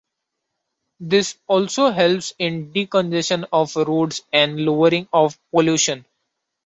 This also helps in decongestion of roads and lowering of pollution.